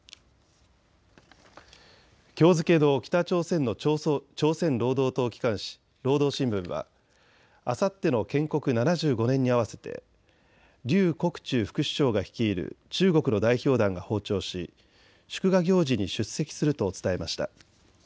きょう付けの北朝鮮の朝鮮労働党機関紙、労働新聞は、あさっての建国７５年に合わせて劉国中副首相が率いる中国の代表団が訪朝し祝賀行事に出席すると伝えました。